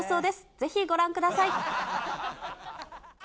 ぜひご覧ください。